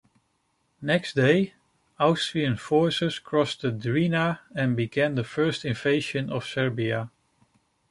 Next day, Austrian forces crossed the Drina and began the first invasion of Serbia.